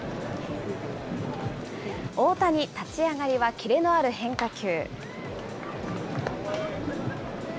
大谷、立ち上がりはキレのある変化球。